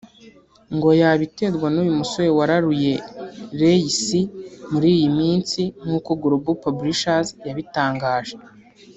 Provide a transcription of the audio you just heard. ngo yaba iterwa n’uyu musore wararuye Ray C muri iyi minsi nkuko global publishers yabitangaje